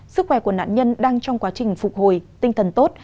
sức khỏe của nạn nhân đang trong quá trình phục hồi tinh thần tốt